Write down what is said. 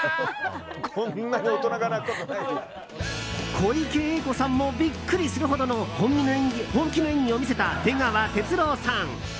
小池栄子さんもビックリするほどの本気の演技を見せた出川哲朗さん。